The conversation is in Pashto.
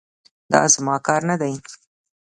دا زما کار نه دی.